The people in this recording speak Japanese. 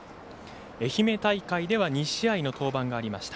愛媛大会では２試合の登板がありました。